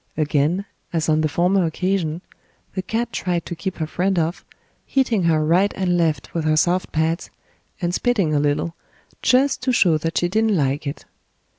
Again, as on the former occasion, the cat tried to keep her friend off, hitting her right and left with her soft pads, and spitting a little, just to show that she didn't like it.